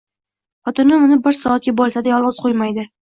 Xotinim uni bir soatga bo`lsa-da yolg`iz qo`ymaydi